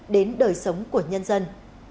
đến đời sống của nhân dân